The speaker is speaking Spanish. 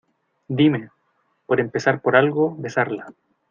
dime. por empezar por algo, besarla .